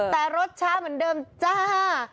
แต่รสช้าเหมือนเดิมจ้า